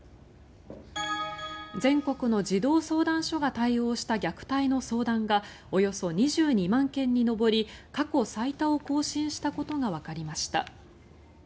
全国の児童相談所が対応した虐待の相談がおよそ２２万件に上り過去最多を更新したことがわかりました。